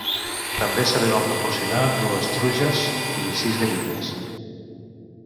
També se li van proporcionar dues truges i sis gallines.